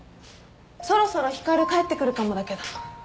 そろそろ光帰ってくるかもだけど。